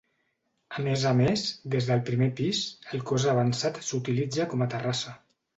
A més a més, des del primer pis, el cos avançat s'utilitza com a terrassa.